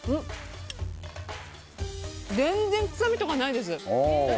全然臭みとかないです。